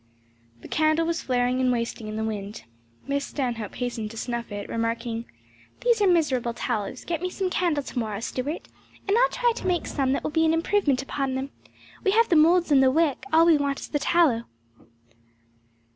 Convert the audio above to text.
The candle was flaring and wasting in the wind. Miss Stanhope hastened to snuff it, remarking, "These are miserable tallows; get me some candle to morrow, Stuart, and I'll try to make some that will be an improvement upon them. We have the moulds and the wick; all we want is the tallow."